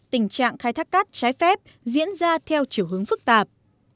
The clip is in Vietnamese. tình trạng khai thác cát trái phép diễn ra theo chiều hướng phức tạp